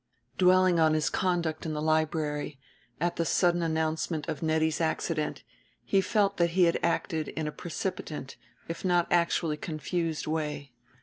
Dwelling on his conduct in the library, at the sudden announcement of Nettie's accident, he felt that he had acted in a precipitant if not actually confused way.